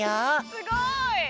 すごい！